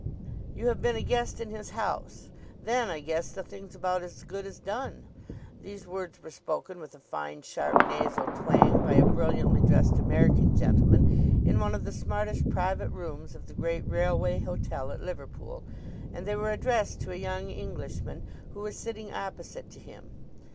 "You have been a guest in his house. Then, I guess, the thing's about as good as done." These words were spoken with a fine, sharp, nasal twang by a brilliantly dressed American gentleman in one of the smartest private rooms of the great railway hotel at Liverpool, and they were addressed to a young Englishman who was sitting opposite to him.